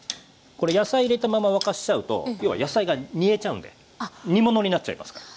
これ野菜入れたまま沸かしちゃうと要は野菜が煮えちゃうんで煮物になっちゃいますから。